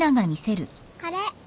これ。